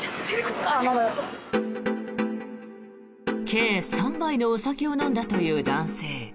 計３杯のお酒を飲んだという男性。